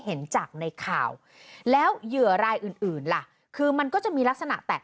เห็นจากในข่าวแล้วเหยื่อรายอื่นอื่นล่ะคือมันก็จะมีลักษณะแตก